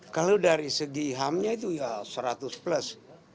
kalau dari segi hamnya itu ya seratus plus